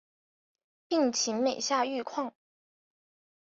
病情每下愈况